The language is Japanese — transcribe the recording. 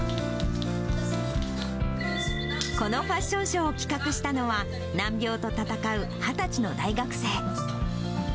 このファッションショーを企画したのは、難病と闘う２０歳の大学生。